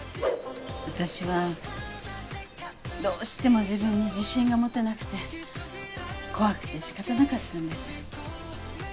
私はどうしても自分に自信が持てなくて怖くて仕方なかったんです